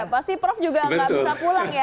pasti prof juga nggak bisa pulang ya